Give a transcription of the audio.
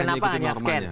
kenapa hanya scan